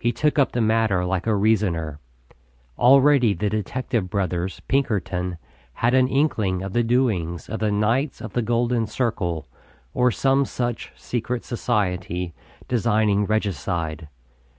He took up the matter like a reasoner. Already the detective brothers, Pinkerton, had an inkling of the doings of the Knights of the Golden Circle, or some such secret society, designing regicide.